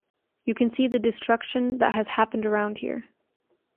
You can see the destruction that has happened around here.